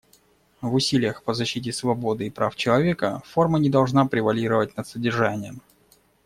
В усилиях по защите свободы и прав человека, форма не должна превалировать над содержанием.